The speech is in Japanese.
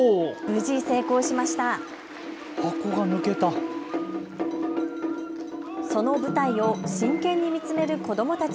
無事、成功しました。